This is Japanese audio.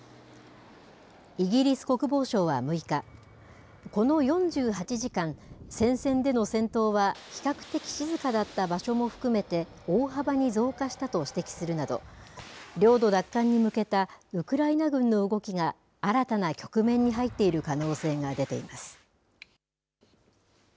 イギリス国防省は６日、この４８時間、戦線での戦闘は比較的静かだった場所も含めて大幅に増加したと指摘するなど、領土奪還に向けたウクライナ軍の動きが新たな局面に入っている可能性が出ています。